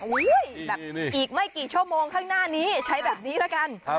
แบบอีกไม่กี่ชั่วโมงข้างหน้านี้ใช้แบบนี้ละกัน